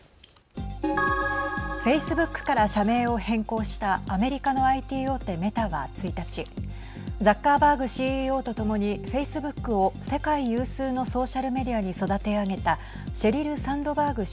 フェイスブックから社名を変更したアメリカのＩＴ大手メタは、１日ザッカーバーグＣＥＯとともにフェイスブックを世界有数のソーシャルメディアに育て上げたシェリル・サンドバーグ